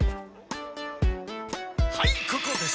はいここです！